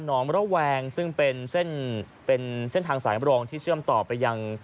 น้องระแวงซึ่งเป็นเส้นเป็นเส้นทางสายมรองที่เชื่อมต่อไปยัง